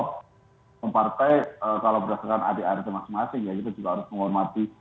semua partai kalau berdasarkan adart masing masing ya kita juga harus menghormati